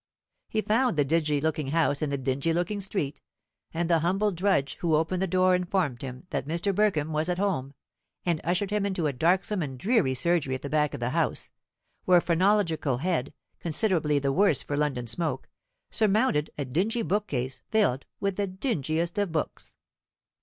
He found the dingy looking house in the dingy looking street; and the humble drudge who opened the door informed him that Mr. Burkham was at home, and ushered him into a darksome and dreary surgery at the back of the house, where a phrenological head, considerably the worse for London smoke, surmounted a dingy bookcase filled with the dingiest of books.